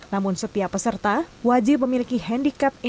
namun setiap peserta wajib memiliki handicap